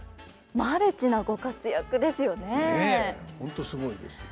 マルチなご活躍ですよね。